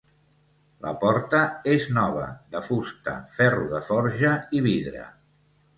La porta és nova, de fusta, ferro de forja i vidre.